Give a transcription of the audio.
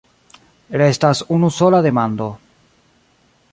Restas unusola demando.